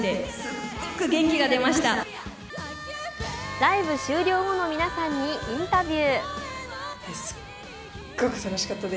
ライブ終了後の皆さんにインタビュー。